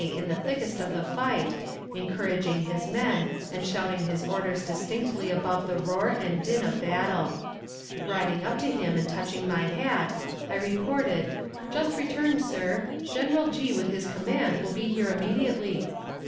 in the thickest of the fight, encouraging his men and shouting his orders distinctly above the roar and din of battle. Riding up to him and touching my hat, I reported "Just returned, sir. General G., with his command, will be here immediately."